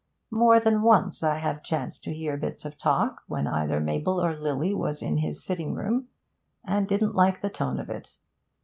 More than once I have chanced to hear bits of talk, when either Mabel or Lily was in his sitting room, and didn't like the tone of it.